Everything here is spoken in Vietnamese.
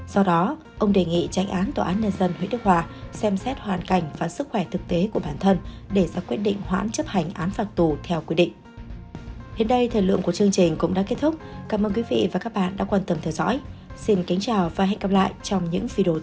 do đó ông đề nghị tranh án tòa án nhân dân huyện đức hòa xem xét hoàn cảnh và sức khỏe thực tế của bản thân để ra quyết định hoãn chấp hành án phạt tù theo quy định